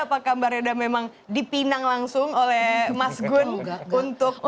apakah mbak reda memang dipinang langsung oleh mas gun untuk